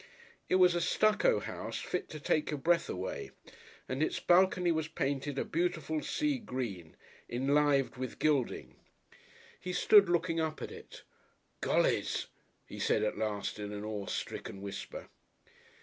It was a stucco house fit to take your breath away, and its balcony was painted a beautiful sea green, enlivened with gilding. He stood looking up at it. "Gollys!" he said at last in an awestricken whisper.